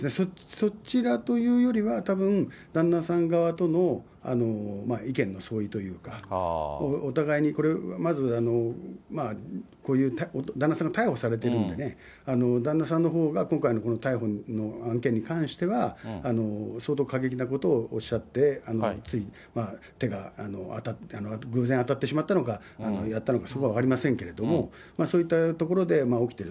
そちらというよりは、たぶん、旦那さん側との意見の相違というか、お互いにこれ、まず、こういう、旦那さんが逮捕されてるんでね、旦那さんのほうが今回のこの逮捕の件に関しては、相当過激なことをおっしゃって、つい手が、偶然当たってしまったのか、やったのか、そこは分かりませんけども、そういったところで起きている。